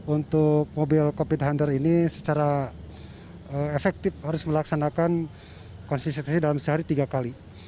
untuk mobil covid hunter ini secara efektif harus melaksanakan konsistensi dalam sehari tiga kali